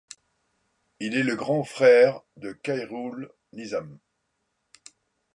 Il est le grand frère de Khairul Nizam.